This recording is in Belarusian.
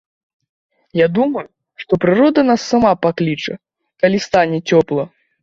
Я думаю, што прырода нас сама пакліча, калі стане цёпла.